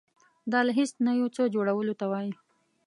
دا له هیڅ نه یو څه جوړولو ته وایي.